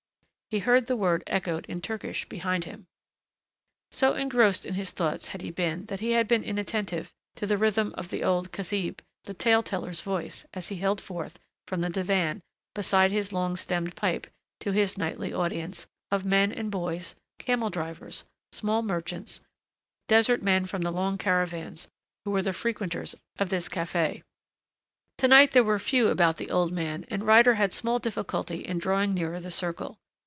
He heard the word echoed in Turkish behind him. So engrossed in his thoughts had he been that he had been inattentive to the rhythm of old Khazib, the tale teller's voice, as he held forth, from the divan, beside his long stemmed pipe, to his nightly audience, of men and boys, camel drivers, small merchants, desert men from the long caravans who were the frequenters of this café. To night there were few about the old man, and Ryder had small difficulty in drawing nearer the circle.